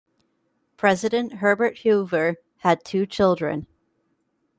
President Herbert Hoover had two children.